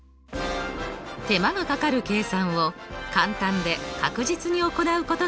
手間がかかる計算を簡単で確実に行うことができました。